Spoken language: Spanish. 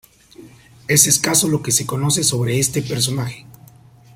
Es escaso lo que se conoce sobre este personaje.